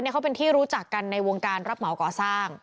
เขาเป็นที่รู้จักกันในวงการรับเหมาก่อสร้าง